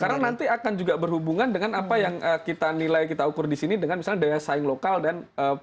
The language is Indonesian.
karena nanti akan juga berhubungan dengan apa yang kita nilai kita ukur di sini dengan misalnya daya saing lokal dan pengambat kemungkinan